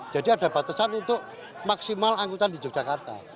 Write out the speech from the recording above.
jadi ada batasan untuk maksimal anggutan di yogyakarta